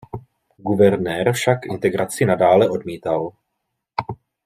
Guvernér však integraci nadále odmítal.